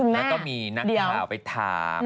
แล้วก็มีนักข่าวไปถามคุณแม่เดี๋ยว